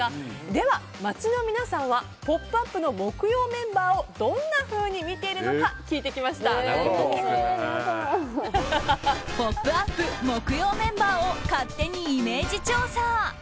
では、街の皆さんは「ポップＵＰ！」の木曜メンバーをどんなふうにみてるのか「ポップＵＰ！」木曜メンバーを勝手にイメージ調査。